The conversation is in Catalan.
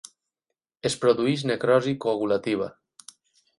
Es produeix necrosi coagulativa.